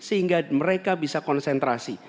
sehingga mereka bisa konsentrasi